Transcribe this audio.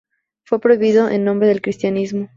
Fue prohibido en nombre del cristianismo".